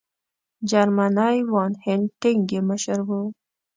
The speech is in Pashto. جرمنی وان هینټیګ یې مشر وو.